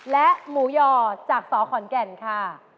และหมูหย่อจากสขอนแก่นค่ะ